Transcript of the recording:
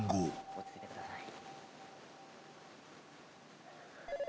落ち着いてください。